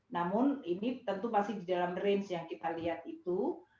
namun ini tentu masih di dalam range yang kita lihat itu